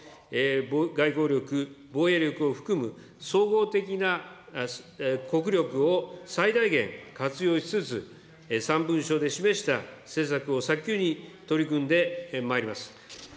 外交力、防衛力を含む総合的な国力を最大限活用しつつ、３文書で示した施策を早急に取り組んでまいります。